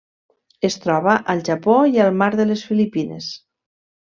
Es troba al Japó i al Mar de les Filipines.